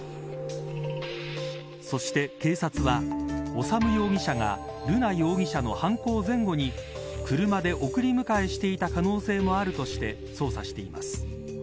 そして警察は修容疑者が瑠奈容疑者の犯行前後に車で送り迎えをしていた可能性もあるとして捜査しています。